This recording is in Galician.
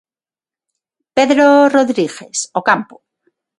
Pedro Rodríguez, Ocampo.